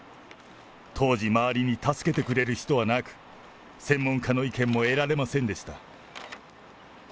当時、周りに助けてくれる人はなく、専門家の意見も得られませんでした。